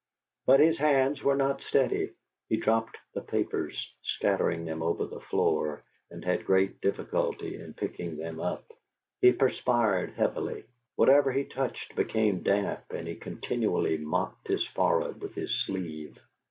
But his hands were not steady; he dropped the papers, scattering them over the floor, and had great difficulty in picking them up. He perspired heavily: whatever he touched became damp, and he continually mopped his forehead with his sleeve.